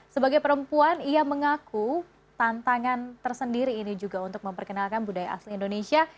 sebagai perempuan ia mengaku tantangan tersendiri ini juga untuk memperkenalkan budaya asli indonesia